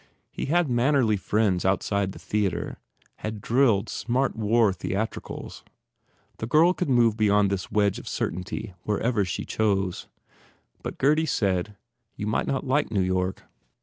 He had mannerly friends outside the theatre, had drilled smart war theatricals. The girl could move beyond this wedge of certainty wherever she chose. But Gurdy said, "You might not like New York."